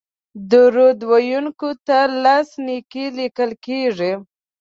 درود ویونکي ته لس نېکۍ لیکل کیږي